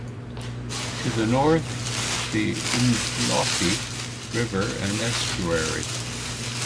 To the north, the Umdloti River and estuary.